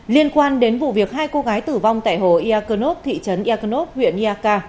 liên quan đến vụ việc hai cô gái tử vong tại hồ ia cơ nốt thị trấn ia cơ nốt huyện ia ca